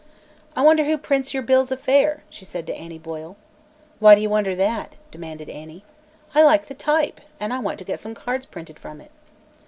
"I wonder who prints your bills of fare?" she said to Annie Boyle. "Why do you wonder that?" demanded Annie. "I like the type, and I want to get some cards printed from it."